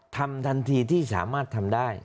ทำทันทีที่สามารถทำได้